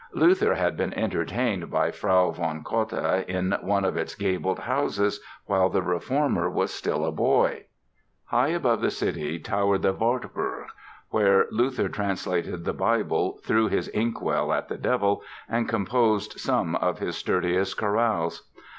Luther had been entertained by Frau von Cotta in one of its gabled houses while the Reformer was still a boy. High above the city towered the Wartburg, where Luther translated the Bible, threw his inkwell at the Devil, and composed some of his sturdiest chorales.